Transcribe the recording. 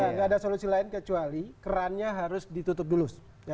enggak ada solusi lain kecuali kerannya harus ditutup dulu